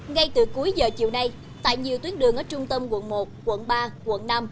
ngay từ cuối giờ chiều nay tại nhiều tuyến đường ở trung tâm quận một quận ba quận năm